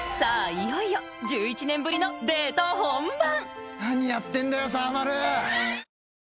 いよいよ１１年ぶりのデート本番］